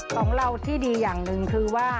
ของเราที่ดีอย่างหนึ่งคือว่า